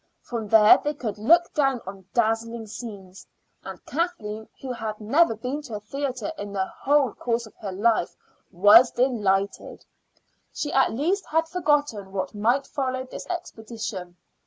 From there they could look down on dazzling scenes, and Kathleen, who had never been to a theater in the whole course of her life, was delighted. She at least had forgotten what might follow this expedition.